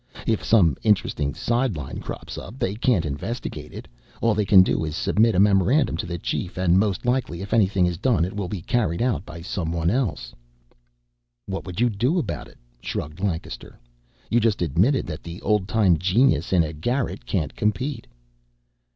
If some interesting sideline crops up, they can't investigate it. All they can do is submit a memorandum to the chief, and most likely if anything is done it will be carried out by someone else." "What would you do about it?" shrugged Lancaster. "You just admitted that the old time genius in a garret can't compete."